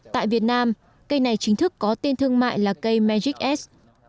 tại việt nam cây này chính thức có tên thương mại là cây magic s